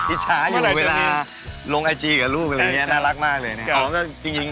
อิชามาอยู่เวลาลงอายจีกับลูกนี่น่ารักมากเลย